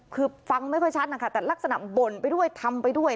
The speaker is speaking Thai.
คือฟังไม่ค่อยชัดนะคะแต่ลักษณะบ่นไปด้วยทำไปด้วย